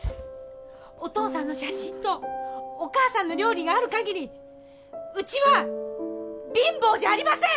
お父さんの写真とお母さんの料理がある限りうちは貧乏じゃありません！